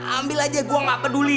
ambil aja gue gak peduli